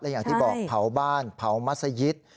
อย่างที่บอกเผาบ้านเผามัศยิต